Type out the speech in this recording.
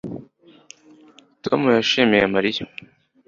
Tom yishimiye Mariya